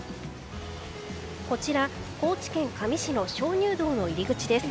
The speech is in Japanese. こちら、高知県香美市の鍾乳洞の入り口です。